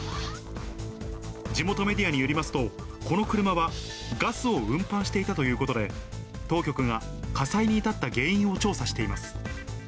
地元メディアによりますと、この車はガスを運搬していたということで、当局が火災に至った原因を調査しています。